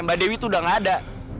mbak dewi itu udah gak ada